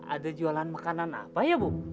ada jualan makanan apa ya bu